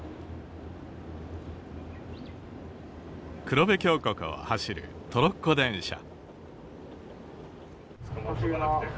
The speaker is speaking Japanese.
黒部峡谷を走るトロッコ電車。